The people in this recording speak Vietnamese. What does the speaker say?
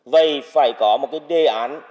vậy phải có một đề án